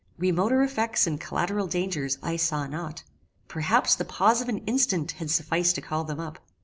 Remoter effects and collateral dangers I saw not. Perhaps the pause of an instant had sufficed to call them up.